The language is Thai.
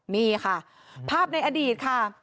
นี่ค่ะภาพในอดีตค่ะ